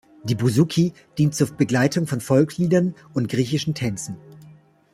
Die Bouzouki dient zur Begleitung von Volksliedern und griechischen Tänzen.